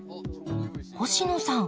星野さん